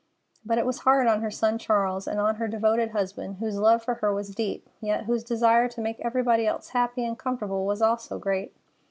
But it was hard on her son Charles, and on her devoted husband, whose love for her was deep, yet whose desire to make everybody else happy and comfortable was also great.